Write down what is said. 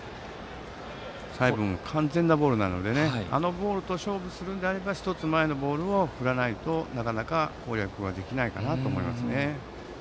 最後も完全なボールなのであのボールと勝負するのであれば１つ前のボールを振らないと、なかなか攻略できないかなと思います。